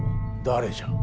誰じゃ。